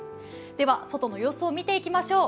では外の様子を見ていきましょう。